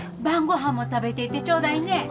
晩ごはんも食べていってちょうだいね。